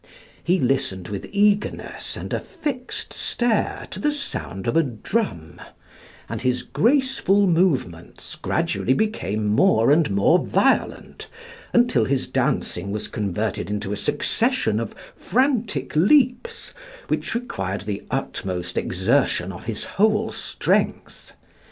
He listened with eagerness and a fixed stare to the sound of a drum, and his graceful movements gradually became more and more violent, until his dancing was converted into a succession of frantic leaps, which required the utmost exertion of his whole strength.